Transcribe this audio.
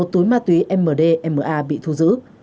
một túi ma túy mdma bị thu giữ